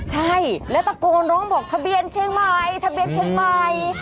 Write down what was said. ใช่แล้วตะโกนร้องบอกทะเบียนเชียงใหม่ทะเบียนเชียงใหม่